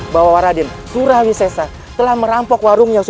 bahwa raden surawi sesa telah merampok warungnya